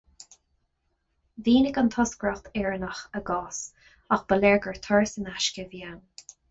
Mhínigh an toscaireacht Éireannach a gcás ach ba léir gur turas in aisce a bhí ann.